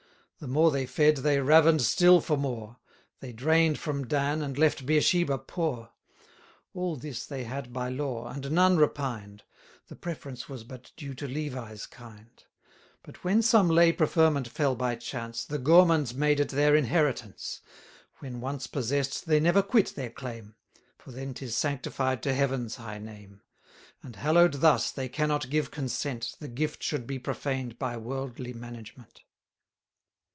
The more they fed, they raven'd still for more; They drain'd from Dan, and left Beersheba poor. All this they had by law, and none repined; The preference was but due to Levi's kind; But when some lay preferment fell by chance, The gourmands made it their inheritance. 970 When once possess'd, they never quit their claim; For then 'tis sanctified to Heaven's high name; And, hallow'd thus, they cannot give consent, The gift should be profaned by worldly management.